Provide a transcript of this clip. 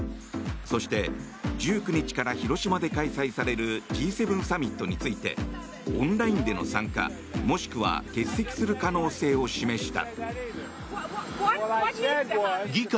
そして、１９日から広島で開催されるＧ７サミットについてオンラインでの参加、もしくは欠席する可能性を示した。